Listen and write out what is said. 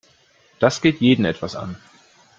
Das geht jeden etwas an.